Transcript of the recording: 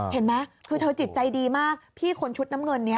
เห็นไหมคือเธอจิตใจดีมากพี่คนชุดน้ำเงินนี้